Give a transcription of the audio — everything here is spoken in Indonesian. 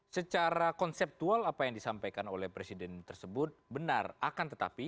secara konseptual apa yang disampaikan oleh presiden tersebut benar akan tetapi